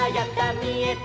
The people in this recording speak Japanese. みえた！」